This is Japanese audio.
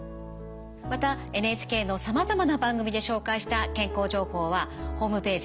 またＮＨＫのさまざまな番組で紹介した健康情報はホームページ